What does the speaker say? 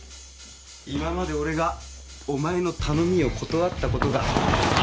今まで俺がお前の頼みを断ったことがあったか？